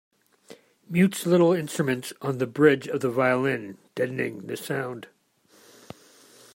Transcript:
Mutes little instruments on the bridge of the violin, deadening the sound.